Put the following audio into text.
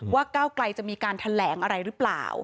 ก้าวไกลจะมีการแถลงอะไรหรือเปล่า